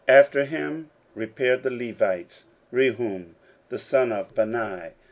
16:003:017 After him repaired the Levites, Rehum the son of Bani.